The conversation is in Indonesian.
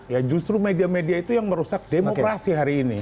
ya justru media media itu yang merusak demokrasi hari ini